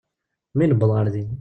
Mi newweḍ ɣer din.